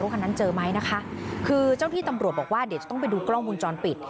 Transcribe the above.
แถมที่สุดที่ตอบบอกว่าเด็ดจะต้องดูกล้องมูลจรปิด